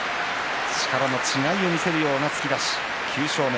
力の違いを見せつけるような押しに９勝目。